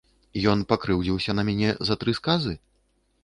Ён пакрыўдзіўся на мяне за тры сказы?